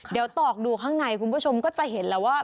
เดี๋ยวตอกดูข้างในคุณผู้ชมก็จะเห็นแล้วว่า